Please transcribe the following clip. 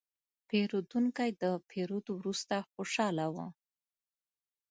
پیرودونکی د پیرود وروسته خوشاله و.